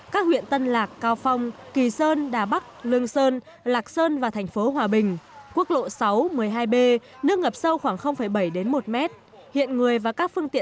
các huyện tân lạc cao phong kỳ sơn đà bắc lương sơn lạc sơn và thành phố hòa bình quốc lộ sáu một mươi hai b nước ngập sâu khoảng bảy đến một mét